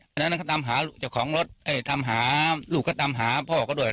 แล้วนั้นก็ตามหาลูกเจ้าของรถทำหาลูกก็ตามหาพ่อก็ด้วย